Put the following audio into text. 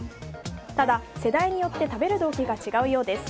ただ、世代によって食べる動機が違うようです。